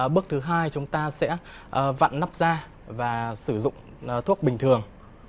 bước thứ hai chúng ta sẽ vặn nắp da và sử dụng thuốc bình thường